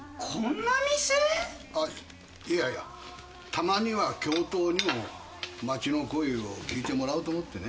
たまには教頭にも町の声を聞いてもらおうと思ってね。